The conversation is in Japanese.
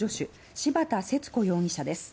柴田節子容疑者です。